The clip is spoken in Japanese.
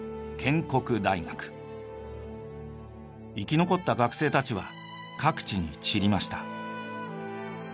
生き残った学生たちは各地に散りました。